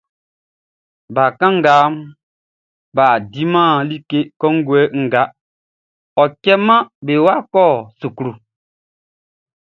Bakannganʼm bʼa diman like kɔnguɛ nga, ɔ cɛman be wa kɔ suklu.